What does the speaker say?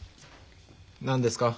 何ですか？